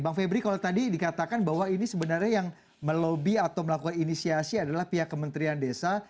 bang febri kalau tadi dikatakan bahwa ini sebenarnya yang melobi atau melakukan inisiasi adalah pihak kementerian desa